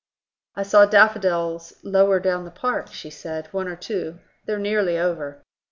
"I saw daffodils lower down the park," she said. "One or two; they're nearly over."